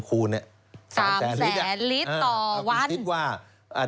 ๓๐๐ลิตรถูกไหมอะะวันคิดว่ามาก